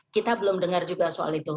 kita belum dengar juga soal itu